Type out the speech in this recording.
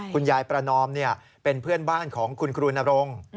คุณยายประนอมเป็นเพื่อนบ้านของคุณครูนรงค์